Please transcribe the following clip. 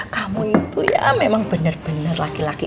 kamu itu ya memang bener bener laki laki